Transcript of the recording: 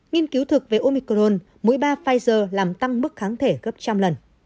nghiên cứu thực về omicron mỗi ba pfizer làm tăng mức kháng thể gấp trăm lần